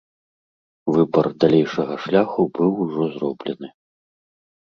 Выбар далейшага шляху быў ужо зроблены.